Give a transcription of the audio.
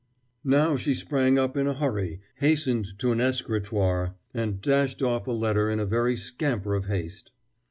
Now she sprang up in a hurry, hastened to an escritoire, and dashed off a letter in a very scamper of haste.